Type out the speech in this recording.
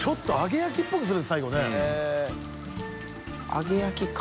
揚げ焼きか。